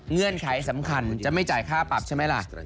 เงื่อนไขสำคัญจะไม่จ่ายค่าปรับใช่ไหมล่ะ